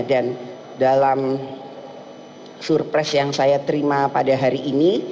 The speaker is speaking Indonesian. dan dalam surprise yang saya terima pada hari ini